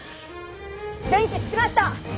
電気つきました！